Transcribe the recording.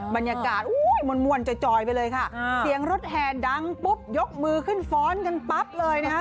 บรรยากาศมวลจอยไปเลยค่ะเสียงรถแห่ดังปุ๊บยกมือขึ้นฟ้อนกันปั๊บเลยนะคะ